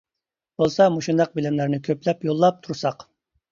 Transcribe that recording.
بولسا مۇشۇنداق بىلىملەرنى كۆپلەپ يوللاپ تۇرساق.